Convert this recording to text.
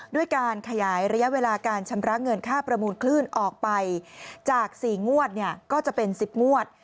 ด้วยการขยายระยะเวลาการชำระเงินค่าประมูลคลื่นออกไปจาก๔งวดเนี่ยก็จะเป็น๑๐งวด